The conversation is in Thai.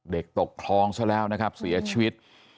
เด็กตกครองซะแล้วเนอะครับเสียชีวิต